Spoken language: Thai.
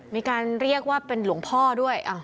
มีการเรียกว่าเป็นหลวงพ่อด้วย